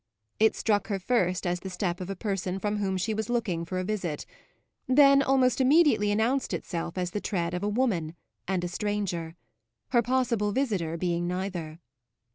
It struck her first as the step of a person from whom she was looking for a visit, then almost immediately announced itself as the tread of a woman and a stranger her possible visitor being neither.